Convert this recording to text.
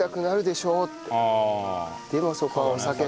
でもそこはお酒で。